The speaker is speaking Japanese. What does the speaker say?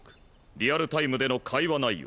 リアルタイムでの会話内容！